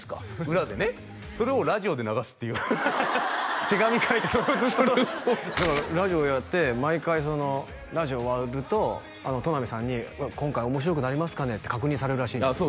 裏でねそれをラジオで流すっていう手紙書いてそれをそれをそうですラジオやって毎回ラジオ終わると戸波さんに「今回面白くなりますかね？」って確認されるらしいんですあっ